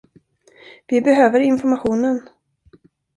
Vi behöver informationen.